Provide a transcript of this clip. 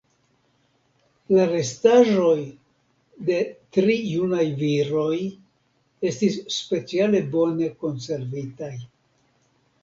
La restaĵoj de tri junaj viroj estis speciale bone konservitaj.